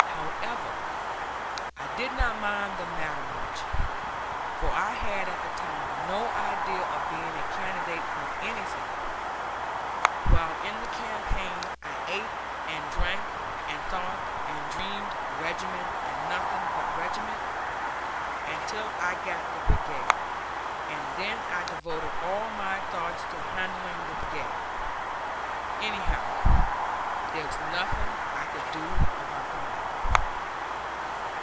However, I did not mind the matter much, for I had at the time no idea of being a candidate for anything while in the campaign I ate and drank and thought and dreamed regiment and nothing but regiment, until I got the brigade, and then I devoted all my thoughts to handling the brigade. Anyhow, there was nothing I could do about the matter.